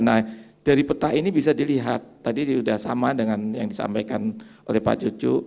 nah dari peta ini bisa dilihat tadi sudah sama dengan yang disampaikan oleh pak cucu